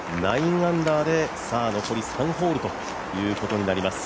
９アンダーで残り３ホールということになります。